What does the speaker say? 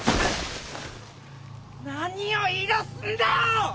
何を言い出すんだよ！